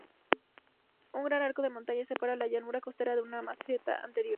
Un gran arco de montañas separa la llanura costera de una meseta interior.